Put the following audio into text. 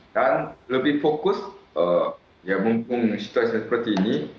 dan lebih fokus ya mumpung situasi seperti ini